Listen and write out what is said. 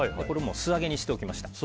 素揚げにしておきました。